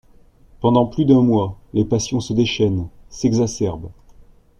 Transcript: Pendant plus d'un mois, les passions se déchaînent, s'exacerbent.